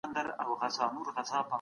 دا ستونزه باید په علمي توګه حل سي.